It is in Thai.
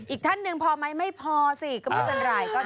อีกท่านหนึ่งพอไหมไม่พอสิก็ไม่เป็นไร